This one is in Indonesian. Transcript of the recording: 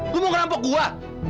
lu mau kerampok gua